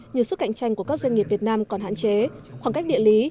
như sức cạnh tranh của các doanh nghiệp việt nam còn hạn chế khoảng cách địa lý